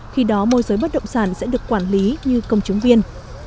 khi đó môi giới bất động sản sẽ được quản lý như công chứng viên